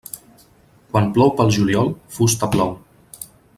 Quan plou pel juliol, fusta plou.